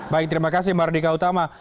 baik terima kasih mardika utama